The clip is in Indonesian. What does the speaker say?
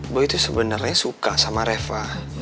gue itu sebenarnya suka sama reva